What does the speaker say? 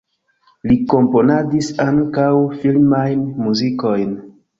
Li komponadis ankaŭ filmajn muzikojn.